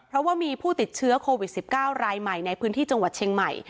เพราะว่ามีผู้ติดเชื้อโควิด๑๙รายใหม่ในพื้นที่จังหวัดเชียงใหม่